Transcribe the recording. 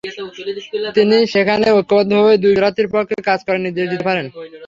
তিনি সেখানে ঐক্যবদ্ধভাবে দুই প্রার্থীর পক্ষে কাজ করার নির্দেশ দিতে পারেন।